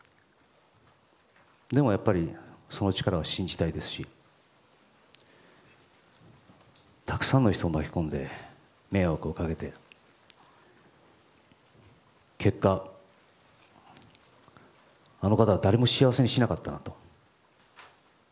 でもやっぱりその力は信じたいですしたくさんの人を巻き込んで迷惑をかけて結果、あの方は誰も幸せにしなかったなと。